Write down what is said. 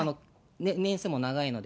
年数も長いので。